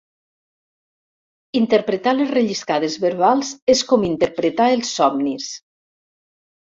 Interpretar les relliscades verbals és com interpretar els somnis.